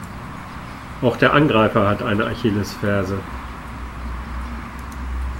Auch der Angreifer hat eine Achillesferse.